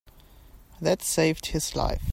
That saved his life.